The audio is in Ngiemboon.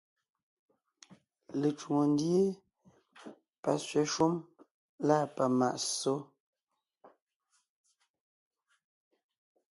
Lecwòŋo ndíe, pasẅɛ̀ shúm lâ pamàʼ ssó;